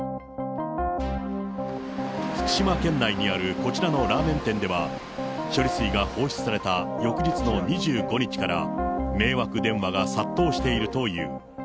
福島県内にあるこちらのラーメン店では、処理水が放出された翌日の２５日から迷惑電話が殺到しているという。